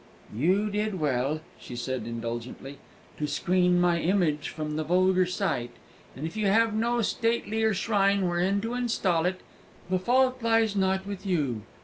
"You did well," she said indulgently, "to screen my image from the vulgar sight; and if you had no statelier shrine wherein to instal it, the fault lies not with you.